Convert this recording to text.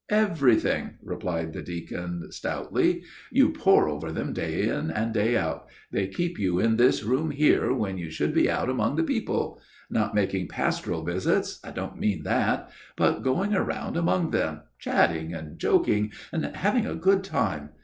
"Everything," replied the deacon stoutly. "You pore over them day in and day out; they keep you in this room here when you should be out among the people, not making pastoral visits, I don't mean that, but going around among them, chatting and joking and having a good time.